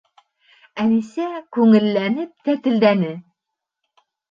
Әнисә күңелләнеп тәтелдәне: